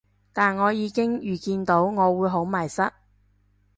但我已經預見到我會好迷失